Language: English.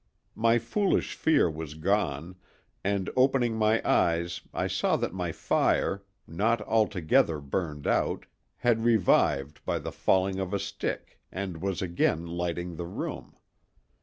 My foolish fear was gone, and opening my eyes I saw that my fire, not altogether burned out, had revived by the falling of a stick and was again lighting the room.